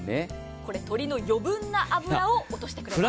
鶏の余分な脂を落としてくれます。